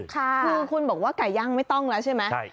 คือคุณบอกว่าไก่ย่างไม่ต้องแล้วใช่ไหม